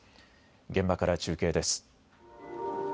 現場から中継です。